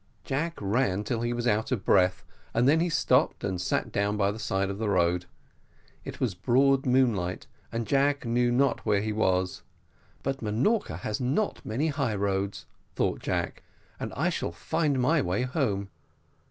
Jack ran until he was out of breath, and then he stopped, and sat down by the side of the road. It was broad moonlight, and Jack knew not where he was; "but Minorca has not many high roads," thought Jack, "and I shall find my way home.